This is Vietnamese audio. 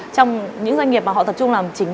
trong những doanh nghiệp mà họ tập trung làm chính